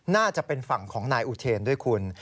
น่าจะเป็นฝั่งของนายอุเทนด้วยคุณ